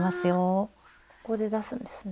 ああここで出すんですね。